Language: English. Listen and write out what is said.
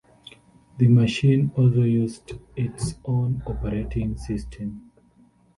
The machine also used its own operating system.